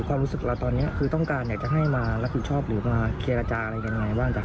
ความรู้สึกเราตอนนี้คือต้องการอยากจะให้มารับผิดชอบหรือมาเจรจาอะไรกันยังไงบ้างจ้